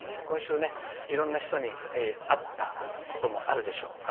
今週、いろんな人に会ったこともあるでしょう。